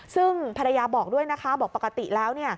ซึ่งภรรยาบอกด้วยนะคะบอกปกติแล้ว